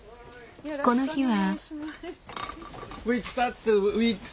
この日は。